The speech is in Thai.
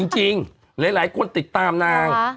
จริงหลายคนติดตามนาง